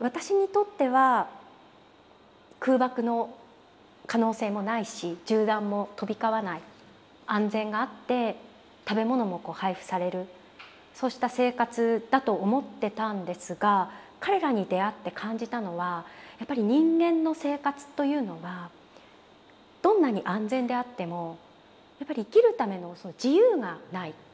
私にとっては空爆の可能性もないし銃弾も飛び交わない安全があって食べ物も配布されるそうした生活だと思ってたんですが彼らに出会って感じたのはやっぱり人間の生活というのはどんなに安全であってもやっぱり生きるための自由がない。